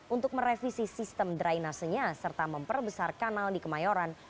untuk merevisi sistem drainasenya serta memperbesar kanal di kemayoran